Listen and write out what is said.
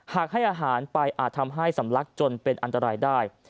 หากให้อาหารไปอาจทำให้สำลักจนเป็นอันตรายได้